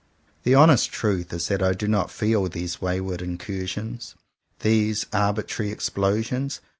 The honest truth is that I do not feel these wayward incur sions, these arbitrary explosions.